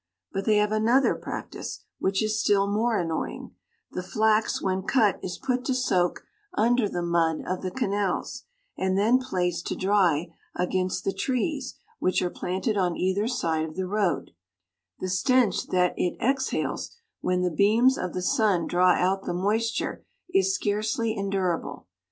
But they have another prac tice, which is still more annoying : the flax when cut is put to soak under the mud of the canals, and then placed to dry against the trees which are planted 77 on either side of the road ; the stench that it exhales, when the beams of the sun draw out the moisture, is scarcely endurable.